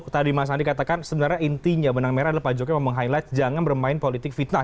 tadi mas andi katakan sebenarnya intinya benang merah adalah pak jokowi meng highlight jangan bermain politik fitnah